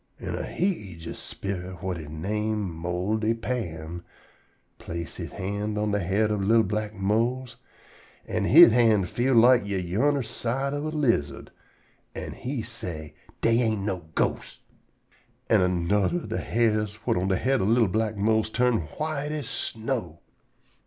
An' a heejus sperit whut he name Moldy Pa'm place he hand on de head ob li'l black Mose, an' he hand feel like ye yunner side ob a lizard, an' he say: "Dey ain't no ghosts." An' anudder ob de hairs whut on de head ob li'l black Mose turn white as snow.